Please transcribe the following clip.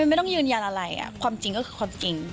ไม่ต้องยืนยันอะไรความจริงก็คือความจริง